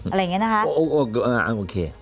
อะไรอย่างนี้นะคะ